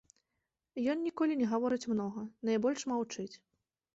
Ён ніколі не гаворыць многа, найбольш маўчыць.